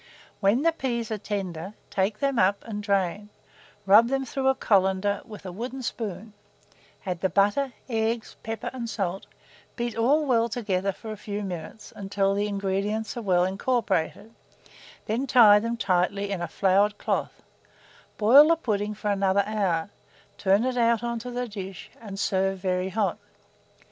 When the peas are tender, take them up and drain; rub them through a colander with a wooden spoon; add the butter, eggs, pepper, and salt; beat all well together for a few minutes, until the ingredients are well incorporated; then tie them tightly in a floured cloth; boil the pudding for another hour, turn it on to the dish, and serve very hot.